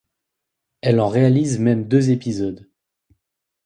Elle en réalise même deux épisodes.